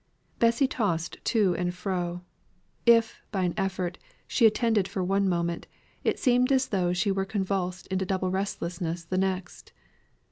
Bessy tossed to and fro. If, by an effort, she attended for one moment, it seemed as though she were convulsed into double restlessness the next.